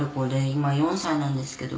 「今４歳なんですけど。